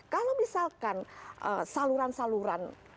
kalau misalkan saluran saluran